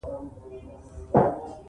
او په هغه هم چې له تا څخه مخكي نازل شوي دي